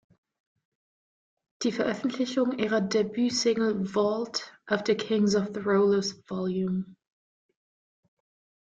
Die Veröffentlichung ihrer Debüt-Single „Vault“ auf der "Kingz Of The Rollers Vol.